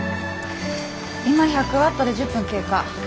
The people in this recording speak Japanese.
今１００ワットで１０分経過。